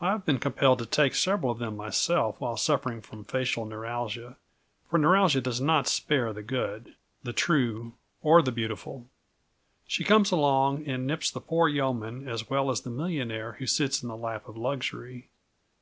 I have been compelled to take several of them myself while suffering from facial neuralgia; for neuralgia does not spare the good, the true or the beautiful. She comes along and nips the poor yeoman as well as the millionaire who sits in the lap of luxury.